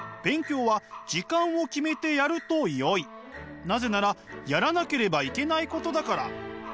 勉強はなぜならやらなければいけないことだから。